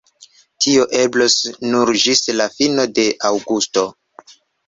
Tio eblos nur ĝis la fino de aŭgusto.